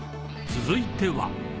［続いては］